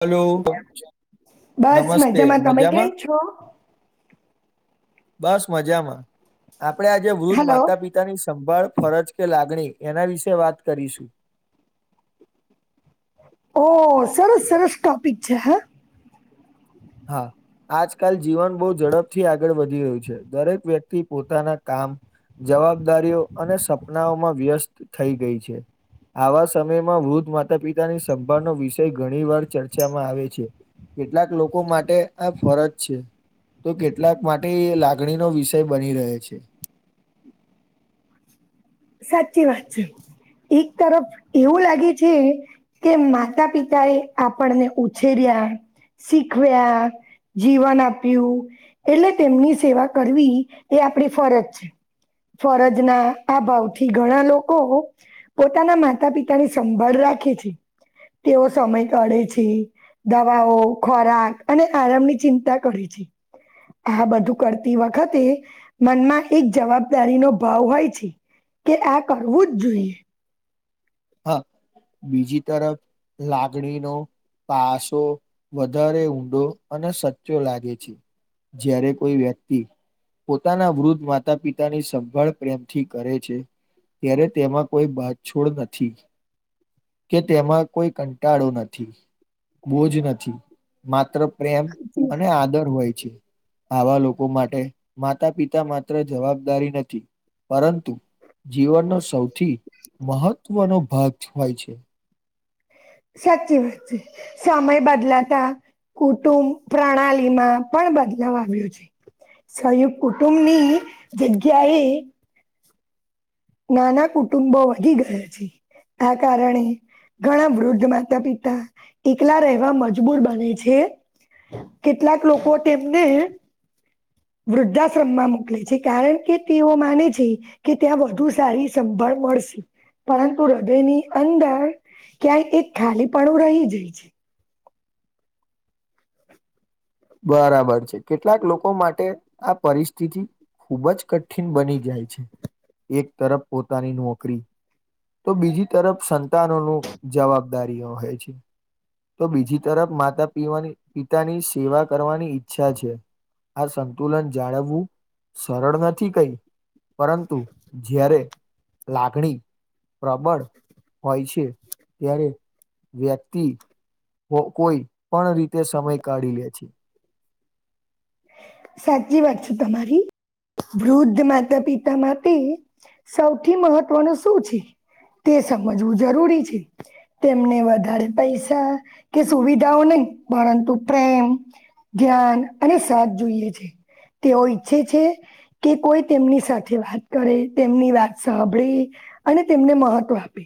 Hello બસ નમસ્તે તમે કેમ મજામાં છો? બસ મજામાં આપણેે આજે વૃદ્ધ હલો માતા પિતાની સંભાળ ફરજ કે લાગણી એના વિશે વાત કરીશું ઓ સરસ સરસ્ટોપી જ હા આજકાલ જીવન બહુ ઝડપથી આગળ વધી રહ્યું છે દરેક વ્યક્તિ પોતાના કામ જવાબદારીઓ અને સપનાઓમાં વ્યસ્ત થઈ ગઈ છે આવા સમયમાં વૃદ્ધ માતા પિતાની સભાનો વિષય ઘણી વાર ચર્ચામાં આવે છે કેટલાક લોકો માટે આ ફરજ છે તો કેટલાક માટે એ લાગણીનો વિષય બની રહે છે [inaudible] સાચી વાત એક તરફ એવું લાગે છે કે માતા પિતા એ આપણને ઉછેર્યા શીખવ્યા. જીવન આપ્યું એટલે તેમની સેવા કરવી એ આપણી ફરજ છે. ફરજ ના આ ભાવ. થી ઘણા લોકો પોતાના માતા પિતા ની સંભાળ રાખે છે. તેઓ સમય કાઢે છે. દવાઓ ખોરાક અને આરામની ચિંતા કરે છે. આ બધું કરતી વખતે મનમાં એક જવાબદારીનો ભાવ હોય છે. કે આ કરવું જ જોઈએ. હા બીજી તરફ લાગણીનો. પાસો વધારે ઊંડો અને સચો લાગે છે. જ્યારે કોઈ વ્યક્તિ. પોતાના વૃદ્ધ માતા પિતાની સંભાળ પ્રેમથી કરે છે. ત્યારે તેમાં કોઈ બાધ છોડ ન થી કે તેમાં કોઈ કંટાળો નથી બોજ નથી માત્ર પ્રેમ અને આદર હોય છે. આવા લોકો માટે માતા પિતા માત્ર જવાબદારી નથી પરંતુ જીવનનો સૌથી મહત્વનો ભાગ છ હોય છે. સાચી વાત છે સમય બદલાતા કુટુંબ પ્રણાલી માં પણ બદલાવ આવ્યો છે. સંયુક્ત કુટુંબ ની જગ્યાએ નાના કુટુંબો વઘી ગયા છે આ કારણે. ઘણા વૃદ્ધ માતા પિતા એકલા રહેવા મજબૂર બને છે કેટલાક લોકો તેમને વૃદ્ધાશ્રમમાં મોકલે છે કારણ કે તેઓ માને છે કે ત્યાં વધુ સારી સંભાળ. મળશે પરંતુ હૃદયની અંદર ક્યાંય એક ખાલી પણું રહી જાય છે. બરાબર છે કેટલાક લોકો માટે આ પરિસ્થિતિ ખૂબ જ કઠિન બની જાય છે એક તરફ પોતાની નોકરી તો બીજી તરફ સંતાનોનું જવાબદારીઓ હોય છે. તો બીજી તરફ માતા પીવાની પિતાની સેવા કરવાની ઈચ્છા છે. આ સંતુલન જાળવવું સરળ નથી કઈ. પરંતુ જ્યારે લાગણી. પ્રબળ હોય છે ત્યારે વ્યક્તિ કો કોઈ પણ રીતે સમય કાઢી લે છે. સાચી વાત છે તમારી. વૃદ્ધ માતા પિતા માટે સૌથી મહત્વનું શું છે? તે સમજવું જરૂરી છે તેમને વધારે પૈસા કે સુવિધાઓ નય પરંતુ પ્રેમ જ્ઞાન અને સાથ જોઈએ છે. તેઓ ઈચ્છે છે કે કોઈ તેમની સાથે વાત કરે, તેમની વાત સાંભળે, અને તેમને મહત્વ આપે.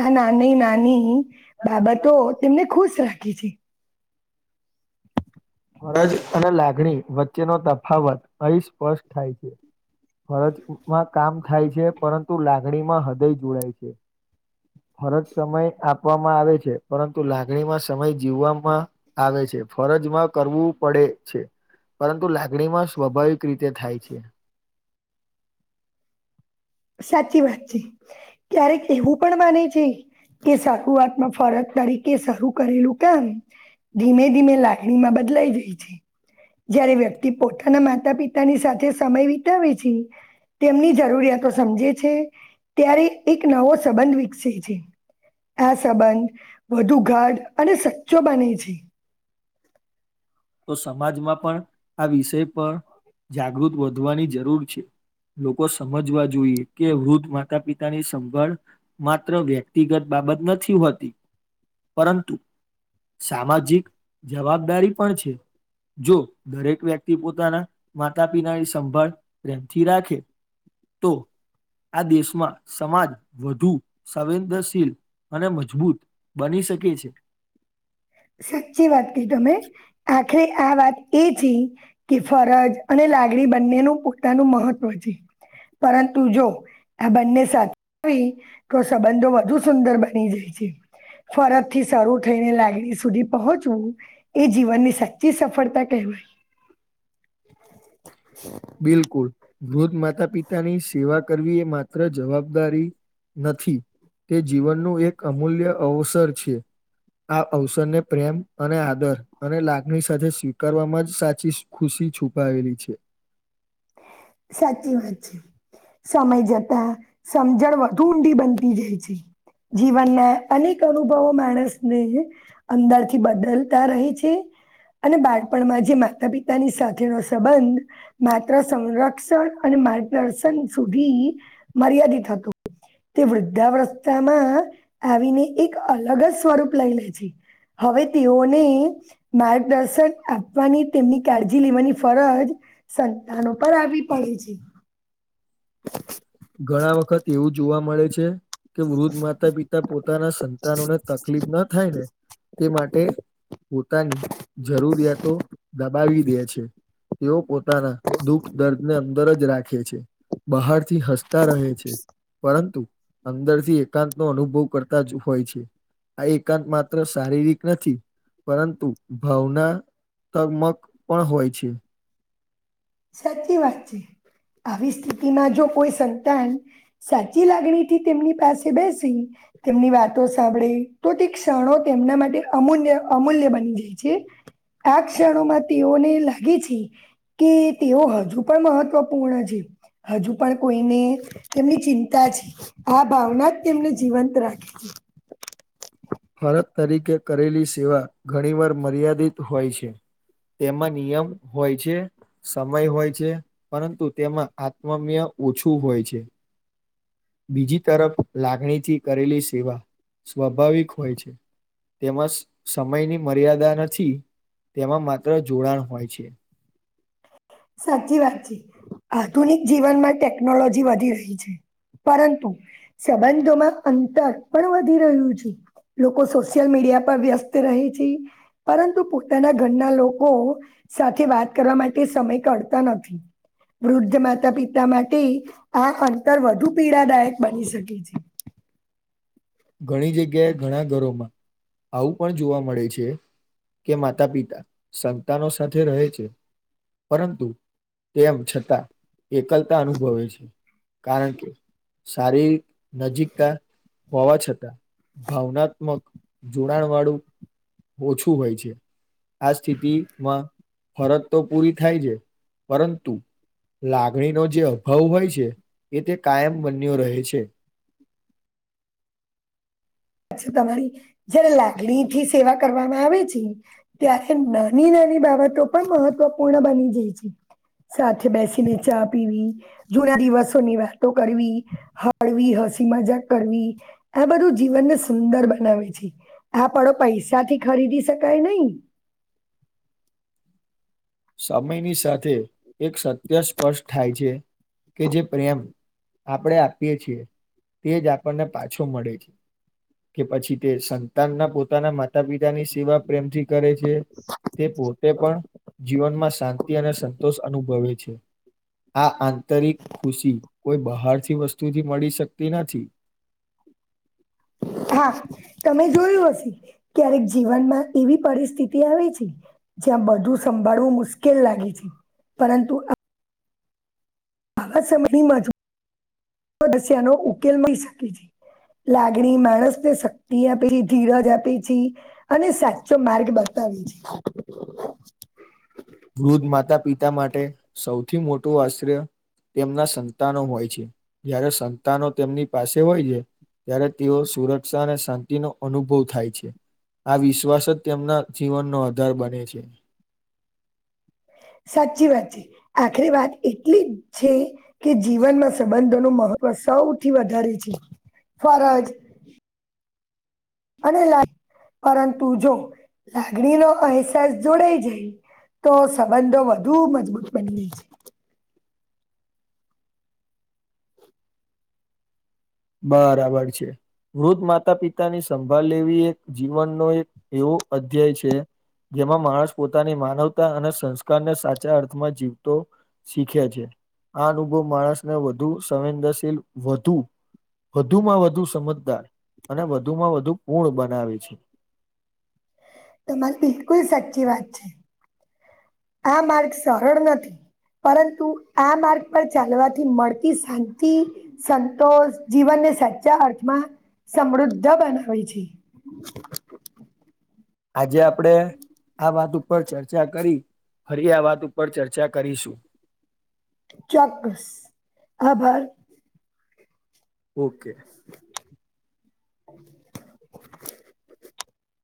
આ નાની નાની બાબતો તેમને ખુશ રાખે છે. ફરજ અને લાગણી વચ્ચેનો તફાવત અહીસ્પષ્ટ થાય છે. ફરજમાં કામ થાય છે પરંતુ લાગણીમાં હૃદય જોડાય છે. ફરજ સમય આપવામાં આવે છે પરંતુ લાગણીમાં સમય જીવવામાં આવે છે. છે ફરજમાં. કરવું પડે છે પરંતુ લાગણીમાં સ્વાભાવિક રીતે થાય છે. [inaudible] સાચી વાત છે ક્યારેક એવું પણ માને છે. કે શરૂઆતમાં ફરજ તરીકે શરૂ કરેલું કામ ધીમે ધીમે લાગણીમાં બદલાઈ જાય છે. જય્યારે વ્યક્તિ પોતાના માતા પિતાની સાથે સમય વિતાવે છે. તેમની જરૂરિયાતો સમજે છે ત્યારે એક નવો સંબંધ વિકસે છે. આ સંબંધ વધુ ગાઢ અને સચ્ચો બને છે. તો સમાજમાં પણ આ વિષય પર જાગૃત વધવાની જરૂર છે. લોકો સમજવા જોઈએ કે વૃદ્ધ માતા પિતાની સંભાળ માત્ર વ્યક્તિગત બા બત નથી હોતી પરંતુ સામાજિક જવાબદારી પણ છે જો દરેક વ્યક્તિ પોતાના માતા પિતાની સંભાળ પ્રેમથી રાખે તોુ આ દેશમાં સમાજ વધુ સંવેદનશીલ અને મજબૂત બની શકે છે. સાચી વાત કહી તમે આખરે આ વાત એ છે કે ફરજ આ ને લાગડી બંનેનું પોતાનું મહત્વ છે પરંતુ જો આ બંને સાથ આવી તો સંબંધો વધુ સુંદર બની જાય છે ફરજથી શરૂું થઈને લાગ લાગણી સુધી પહોંચવું એ જીવનની સાચી સફળતા કહેવાય. [inaudible] બિલકુલ વૃદ્ધ માતા પિતાની સેવા કરવી એ માત્ર જવાબદારી નથી તે જીવનનું એક અમૂલ્ય અવસર છે. આ અવસરને પ્રેમ અને આદર અને લાગણી સાથે સ્વીકારવામાં જ સાચી ખુશ થી છુપાવેલી છે. સાચી વાત છે. સમય જતા સમજણ વધુ ઊંડી બનતી જાય છે. જીવના અનેક અનુભવો માણસને અંદરથી બદલતા રહે છે. અને બાળપણમાં જે માતા પિતાની સાથેનો સંબંધ મા [unintelligible] સંરક્ષણ અને માર્ગદર્શન સુધી મર્યાદિત હતું. તે વૃદ્ધા અવસ્થામાં આવીને એક અલગ જ સ્વરૂપ લઈ લે છે. હવે તેઓને માર્ગદર્શન આપવાની તેમની કાળજી લેવાની ફરજ સંતાનો પણ આવી પડે છે. ઘણા વખત એવું જોવા મળે છે. કે વૃદ્ધ માતા પિતા પોતાના સંતાનોને તકલીફ ના થાય ને તે માટે પોતાની જરૂરિયાતો દબાવી [unintelligible] તેઓ પોતાના દુઃખ દર્દને અંદર જ રાખે છે બહારથી હા કા રહે છે પરંતુ અંદરથી એકાંત નો અનુભવ કરતા જ હોય છે. આ એકાંત માત્ર શારીરિક નથી પરંતુ ભાવના તક મક પણ હોય છે. સાચી વાત છે. આવી સ્થિતિમાં જો કોઈ સંતાન સાચી લાગણીથી તેમની પાસે બેસી તેમની વાતો સાંભળે તો તે ક્ષણો તેમના માટે અમૂલ્ય અમૂલ્ય બની જાય છે. આ ક્ષણોમાં તેઓને લાગે છે કે તેઓ હજુ પણ મહત્વપૂર્ણ છે હજુ પણ કોઈને તેમની ચિંતા છે. આ ભાવના જ તેમને જીવંત રાખે છે. [inaudible] ફરક તરીકે કરેલી સેવા ઘણી વાર મર્યાદિત હોય છે. તેમાં નિયમ હોય છે. સમય હોય છે પરંતુ તેમાં આત્મમય ઓછું હોય છે. બીજી તરફ લાગણીથી કરેલી સેવા સ્વાભાવિક હોય છે. તેમજ સમયની મર્યાદા નથી. તેમાં માત્ર જોડાણ હોય છે. સાચી વાત છે આધુનિક જીવનમાં ટેકનોલોજી વધી રહી છે. પરંતુ સંબંધોમાં અંતર પણ વધી રહ્યું છે. લોકો સોશિયલ મીડિયા પર વ્યસ્ત રહે છે પરંતુ પોતાના ઘરના લોકો સાથે વાત કરવા માટે સમય કાઢતા નથી. વૃદ્ધ માતા પિતા માટે આ અંતર વધુ પીડાદાયક બની શકે છે. [inaudible] ઘણી જગ્યાએ ઘણા ઘરોમાં આવું પણ જોવા મળે છે. કે માતા પિતા સંતાનો સાથે રહે છે પરંતુ તેમ છતાં એકલતા અનુભવે છે. કારણ કે શારીરિક નજીકતા હોવા છત તા ભાવનાત્મક જોડાણ વાળું ઓછું હોય છે. આ સ્થિતિમાં ફરજ તો પૂરી થાય છે પરંતુ લાગણીનો જે અભાવ હોય છે એ તે કાયમ બન્યો રહે છે. [inaudible] પછ તમારી જયારે લાગડી થી સેવા કરવામાં આવે છે ત્યારે નાની નાની ની બાબતો પણ મહત્વપૂર્ણ બની જાય છે સાથે બેસીને ચા પીવી જૂના દિવસોની વાતો કરવી હળવી હ મજા કરવી આ બધું જીવન સુંદર બનાવે છે આ પળો પૈસાથી ખરીદી શકાય નહી [inaudible] સમયની સાથે એક સત્ય સ્પષ્ટ થાય છે કે જે પ્રેમ આપણે આપીએ છીએ તે જ આપણને પાછો મળે છે કે પછી તે સંતાનના પોતાના માતા પિતાની સેવા પ્રેમથી કરે છે તે પોતે પણ માં શાંતિ અને સંતોષ અનુભવે છે આ આંતરિક ખુશી કોઈ બહાર થી વસ્તુથી મળી શકતી નથી હા તમે જોયું હશે ક્યારેક જીવનમાં એવી પરિસ્થિતિ આવે છે જ્યાં બધું સંભાળવું મુશ્કેલ લાગે છે પરંતુ આવા સમયમાં જો દસિયાનોો ઉકેલ મળી શકે છે લાગણી માણસ ને શક્તિ આપે છે ધીરજ આપે છે અને સાચો માર્ગ બતાવ સ વૃદ્ધ માતા પિતા માટે સૌથી મોટું આશ્ર્ય તેમના સંતાનો હોય છે જ્યારે સંતાનો તેમની પાસે હોય છે ત્યારે તેઓ સુરક્ષા અને શાંતિનોો અનુભવ થાય છે આ વિશ્વાસ જ તેમના જીવનનો આધાર બને છે સાચી વાત છે આખરી વાત એટલી છે કે જીવનમાં સંબંધ નું મહત્વ સૌથી વધારે છે ફરજ અને લ પરંતુ જો લાગણીનોો અહેસાસ જોડાઈ જાય તો સંબંધો વધુ મજબૂત બની ગાય છે બરાબર છે વૃદ્ધ માતા પિતાની સંભાળ લેવી એક જીવનનો એક એવો અધ્યાય છે જેમાં માણસ પોતાની માનવતા અને સંસ્કારને સાચા અર્થમાં જીવતો શીખે છે આ અનુભવ માણસને વધુ સંવેદનશીલ વધુ વધુમાં વધુ સમજદાર અને વધુમાં વધુ પૂર્ણ બનાવે છે [inaudible] તમારી બિલકુલ સાચી વાત છે [inaudible] આ માર્ગ સરળ નથી પરંતુ આ માર્ગ પર ચાલવાથી મળતી શાંતિ સંતોષ જીવન સાચા અર્થમાં સમૃદ્ધ બનાવે છે આજે આપડે આ વાત ઉપર ચર્ચા કરી ફરી આ વાત ઉપર ચર્ચા કરીશું ચોક્કસ આભાર ઓકે [unintelligible]